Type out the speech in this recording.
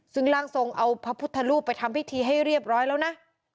ซึ่งร่างทรงเอาพระพุทธรูปไปทำพิธีให้เรียบร้อยแล้วนะ